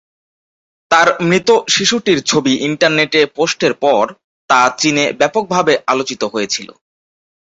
তার মৃত শিশুটির ছবি ইন্টারনেটে পোস্টের পর তা চিনে ব্যাপকভাবে আলোচিত হয়েছিল।